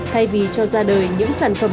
thay vì cho ra đời những sản phẩm